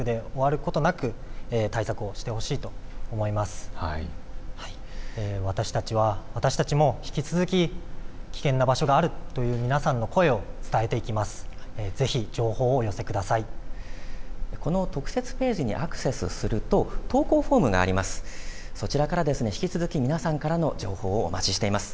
この特設ページにアクセスすると投稿フォームがあります。